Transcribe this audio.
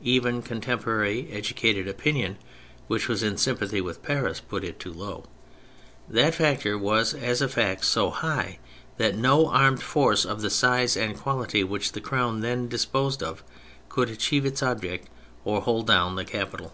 Even con temporary educated opinion, which was in sympathy with Paris, put it too low. That factor was, as a fact, so high that no armed force of the size and quality which the Crown then disposed of, could achieve its object or hold down the capital.